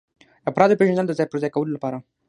د افرادو پیژندل د ځای پر ځای کولو لپاره.